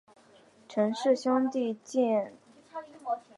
陈氏兄弟集团昆仲创建。